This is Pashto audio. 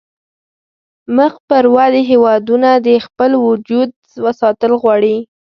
مخ پر ودې هیوادونه د خپل وجود ساتل غواړي